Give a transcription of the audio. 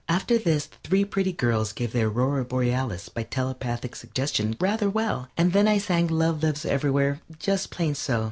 After this three pretty girls gave the Aurora Borealis by telepathic suggestion rather well, and then I sang "Love Lives Everywhere" just plain so.